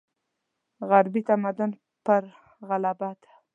غربي تمدن پر غلبه ده.